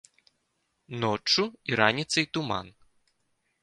Ноччу і раніцай туман.